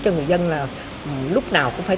cho người dân là lúc nào cũng phải